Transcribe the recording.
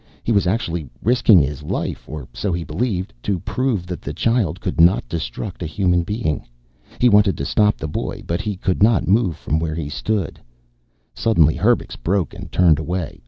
He was actually risking his life or so he believed to prove that the child could not destruct a human being. He wanted to stop the boy, but he could not move from where he stood. Suddenly Herbux broke and turned away.